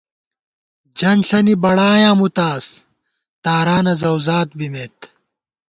جنݪَنی بڑایاں مُوتاز ، تارانہ زؤزات بِمېت